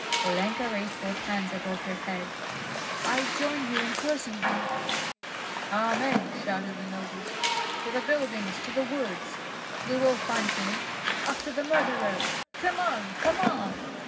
Olenka raised both hands above her head: "I join you in cursing him!" "Amen!" shouted the nobles. "To the buildings, to the woods! We will find him! After the murderer!" "Come on! come on!"